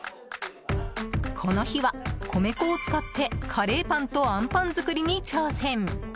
この日は、米粉を使ってカレーパンとあんパン作りに挑戦。